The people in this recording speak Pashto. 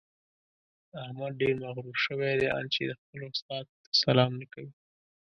احمد ډېر مغروره شوی دی؛ ان چې خپل استاد ته سلام نه کوي.